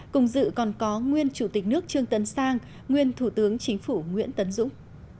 cùng dự còn có nguyên chủ tịch nước trương tấn sang nguyên thủ tướng chính phủ nguyễn tấn dũng